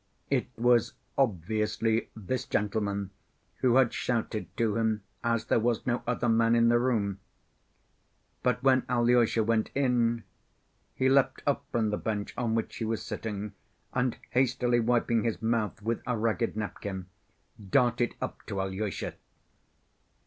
It was obviously this gentleman who had shouted to him, as there was no other man in the room. But when Alyosha went in, he leapt up from the bench on which he was sitting, and, hastily wiping his mouth with a ragged napkin, darted up to Alyosha.